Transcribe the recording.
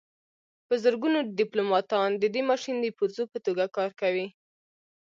په زرګونو ډیپلوماتان د دې ماشین د پرزو په توګه کار کوي